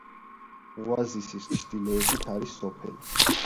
ოაზისის ჩრდილოეთით არის სოფელი.